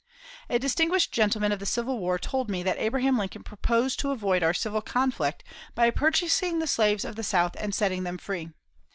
A distinguished gentleman of the Civil War told me that Abraham Lincoln proposed to avoid our civil conflict by purchasing the slaves of the South and setting them free.